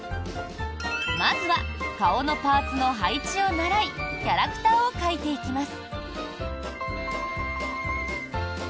まずは、顔のパーツの配置を習いキャラクターを描いていきます。